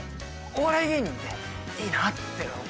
お笑い芸人っていいなぁって思って。